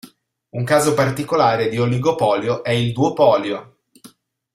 Un caso particolare di oligopolio è il duopolio.